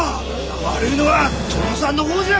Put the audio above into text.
悪いのは殿さんの方じゃ！